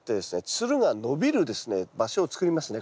つるが伸びる場所を作りますね